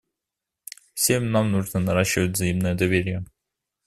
Всем нам нужно наращивать взаимное доверие.